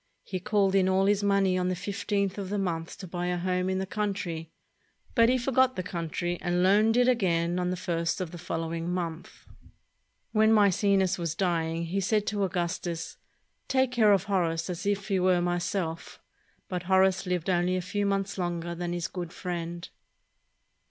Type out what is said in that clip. He 399 ROME called in all his money on the fifteenth of the month to buy a home in the country — but he forgot the country and loaned it again on the first of the following month." When Maecenas was dying, he said to Augustus, "Take care of Horace as if he were myself"; but Horace lived only a few months longer than his good friend.